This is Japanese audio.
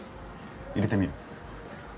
入れてみる？